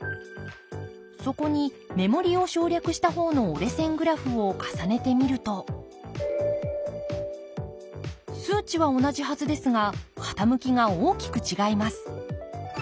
そこに目盛りを省略した方の折れ線グラフを重ねてみると数値は同じはずですが傾きが大きく違います。